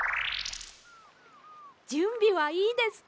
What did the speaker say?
じゅんびはいいですか？